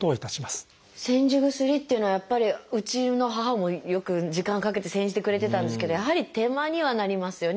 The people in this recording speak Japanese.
煎じ薬っていうのはやっぱりうちの母もよく時間かけて煎じてくれてたんですけどやはり手間にはなりますよね。